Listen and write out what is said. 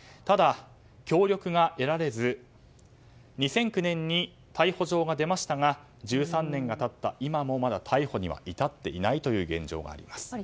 ただ、協力が得られず２００９年に逮捕状が出ましたが１３年が経った今も逮捕には至っていない現状があります。